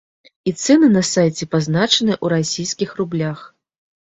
І цэны на сайце пазначаныя ў расійскіх рублях.